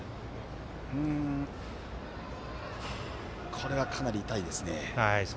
これは、かなり痛いですね。